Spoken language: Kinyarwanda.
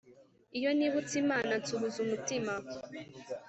iyo nibutse imana, nsuhuza umutima